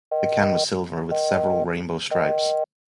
The can was silver with several rainbow stripes.